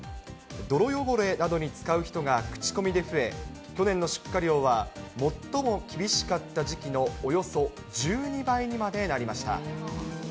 泥汚れなどに使う人が口コミで増え、去年の出荷量は最も厳しかった時期のおよそ１２倍にまでなりました。